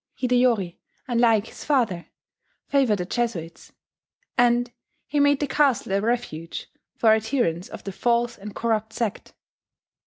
Hideyori, unlike his father, favoured the Jesuits: and he made the castle a refuge for adherents of the "false and corrupt sect."